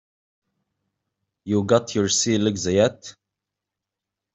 You got your sea legs yet?